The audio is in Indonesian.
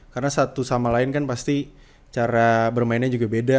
karena satu sama lain kan pasti cara bermainnya juga beda